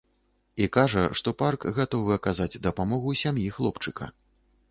І кажа, што парк гатовы аказаць дапамогу сям'і хлопчыка.